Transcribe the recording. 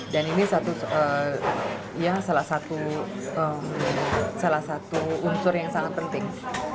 ini salah satu unsur yang sangat penting